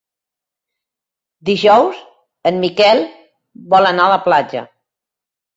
Dijous en Miquel vol anar a la platja.